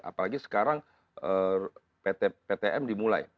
apalagi sekarang ptm dimulai